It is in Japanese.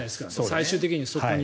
最終的にそこに。